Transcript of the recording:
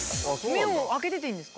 目を開けてていいんですか？